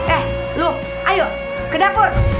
eh loh ayo ke dapur